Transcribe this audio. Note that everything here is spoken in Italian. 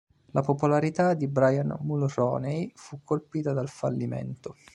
La popolarità di Brian Mulroney fu colpita dal fallimento.